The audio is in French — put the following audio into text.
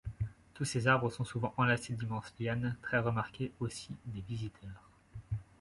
Tous ces arbres sont souvent enlacés d'immenses lianes, très remarquées aussi des visiteurs.